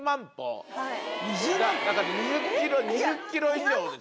だから２０ｋｍ２０ｋｍ以上ですよ。